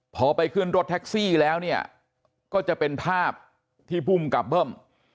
พอไปขึ้นรถแท็กซี่แล้วเนี่ยก็จะเป็นภาพที่ภูมิกับเบิ้ม